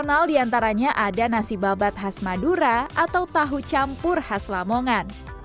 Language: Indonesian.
dikenal diantaranya ada nasi babat khas madura atau tahu campur khas lamongan